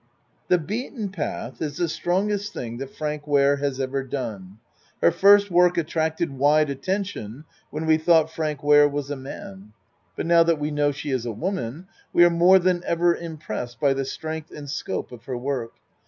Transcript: "The Beaten Path" is the strongest thing that Frank Ware has ever done. Her first work at tracted wide attention when we tho't Frank Ware was a man, but now that we know she is a woman we are more than ever impressed by the strength and scope of her work.